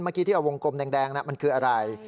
เมื่อกี้ที่เอาวงกลมแดงมันคืออะไร